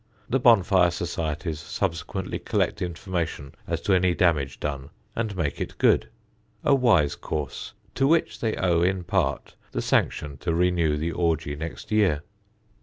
The Bonfire Societies subsequently collect information as to any damage done and make it good: a wise course, to which they owe in part the sanction to renew the orgie next year.